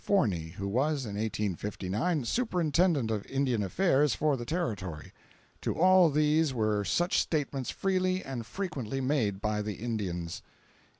Forney, who was, in 1859, Superintendent of Indian Affairs for the Territory. To all these were such statements freely and frequently made by the Indians.